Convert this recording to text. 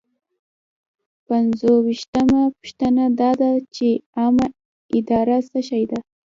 پنځویشتمه پوښتنه دا ده چې عامه اداره څه شی ده.